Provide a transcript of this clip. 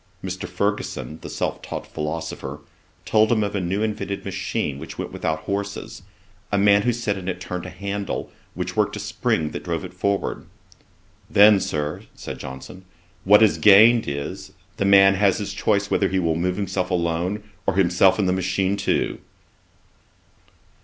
Mr. Fergusson, the self taught philosopher, told him of a new invented machine which went without horses: a man who sat in it turned a handle, which worked a spring that drove it forward. 'Then, Sir, (said Johnson,) what is gained is, the man has his choice whether he will move himself alone, or himself and the machine too.'